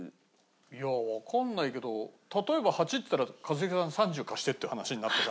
いやわかんないけど例えば８っつったら一茂さん３０貸してって話になってさ。